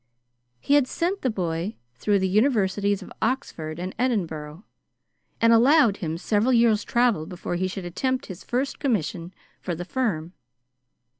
He had sent the boy through the universities of Oxford and Edinburgh, and allowed him several years' travel before he should attempt his first commission for the firm.